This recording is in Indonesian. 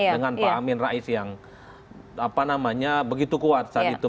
dengan pak amin rais yang begitu kuat saat itu